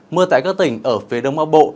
mưa tại các tỉnh ở phía đông bắc bộ